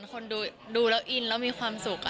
คนดูแล้วอินแล้วมีความสุข